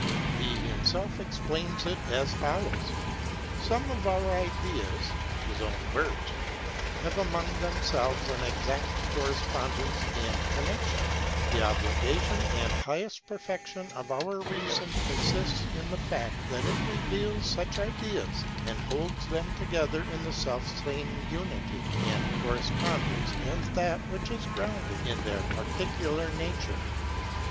He himself explains it as follows : Some of our ideas [his own words] have among themselves an exact correspondence and connection. The obligation and highest perfection of our reason consists in the fact that it reveals such ideas and holds them together in the selfsame unity and correspondence as that which is grounded in their particular nature.